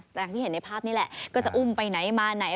อย่างที่เห็นในภาพนี่แหละก็จะอุ้มไปไหนมาไหน